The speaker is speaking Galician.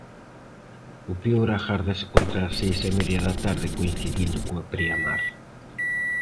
O peor agárdase contra as seis e media da tarde coincidindo coa preamar.